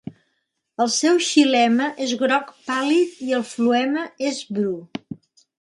El seu xilema és groc pàl·lid i el floema és bru.